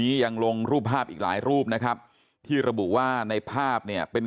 ยังลงรูปภาพอีกหลายรูปนะครับที่ระบุว่าในภาพเนี่ยเป็น